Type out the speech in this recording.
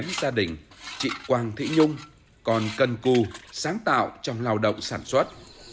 những gia đình chị quang thị nhung còn cần cù sáng tạo trong lao động sản xuất